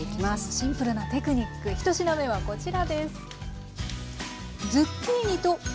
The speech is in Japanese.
シンプルなテクニック１品目はこちらです。